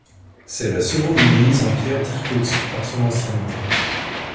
C'est la seconde église en pierre d'Irkoutsk par son ancienneté.